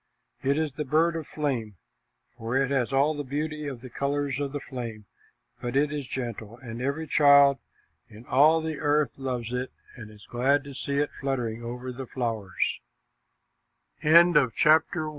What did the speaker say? It is the bird of flame, for it has all the beauty of the colors of the flame, but it is gentle, and every child in all the earth loves it and is glad to see it fluttering over the flo